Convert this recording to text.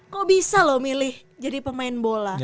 kok bisa loh milih jadi pemain bola